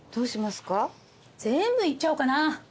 全部いっちゃおうかな。